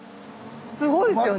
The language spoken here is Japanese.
すごいですよね。